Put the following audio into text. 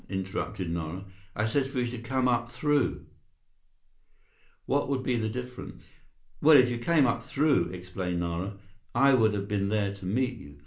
interrupted Nara. "I said for you to come up through—" "What would be the difference?" "Why, if you came up through," explained Nara, "I would have been there to meet you.